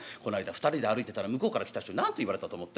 ２人で歩いてたら向こうから来た人に何て言われたと思って？